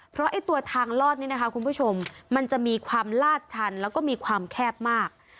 เพราะไอ้ตัวทางลอดนี้นะคะคุณผู้ชมมันจะมีความลาดชันแล้วก็มีความแคบมาก